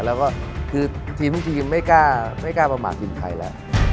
แล้วก็คือทีมไม่กล้าประหมากที่ไทยละ